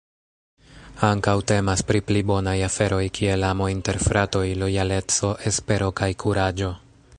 Ankaŭ temas pri pli bonaj aferoj kiel amo inter fratoj, lojaleco, espero kaj kuraĝo.